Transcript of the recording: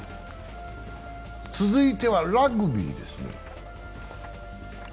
続いてはラグビーですね。